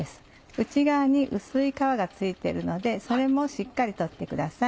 内側に薄い皮が付いてるのでそれもしっかり取ってください。